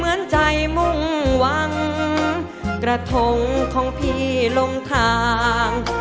เหมือนใจมุ่งหวังกระทงของพี่ลงทาง